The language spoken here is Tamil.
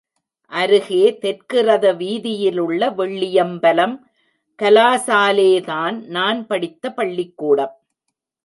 அருகே தெற்கு ரத வீதியிலுள்ள வெள்ளியம்பலம் கலாசாலேதான் நான் படித்த பள்ளிக்கூடம்.